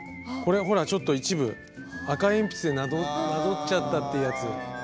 これほらちょっと一部赤鉛筆でなぞっちゃったってやつ。